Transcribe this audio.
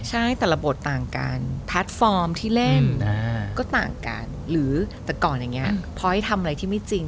ใช่แต่ละบทต่างกันแพลตฟอร์มที่เล่นก็ต่างกันหรือแต่ก่อนอย่างนี้พอให้ทำอะไรที่ไม่จริง